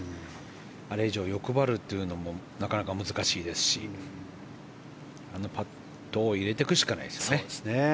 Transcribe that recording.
あれ以上、欲張るのもなかなか難しいですしあのパットを入れていくしかないですね。